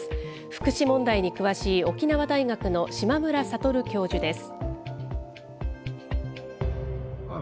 福祉問題に詳しい、沖縄大学の島村聡教授です。